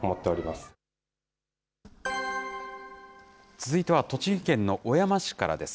続いては栃木県の小山市からです。